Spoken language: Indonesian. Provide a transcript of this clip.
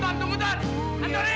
ken mana mungkin dia antoni